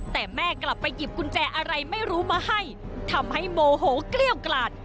แต่แม่กลับไปหยิบกุญแจอะไรไม่รู้มาให้ทำให้โมโหเกลี้ยวกลาด